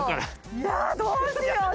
いやどうしよう？